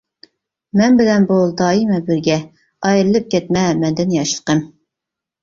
مەن بىلەن بول دائىما بىرگە، ئايرىلىپ كەتمە مەندىن ياشلىقىم.